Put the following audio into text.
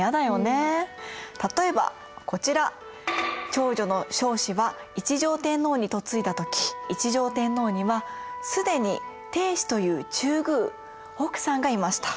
長女の彰子は一条天皇に嫁いだ時一条天皇には既に定子という中宮奥さんがいました。